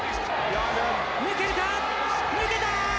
抜けるか抜けた！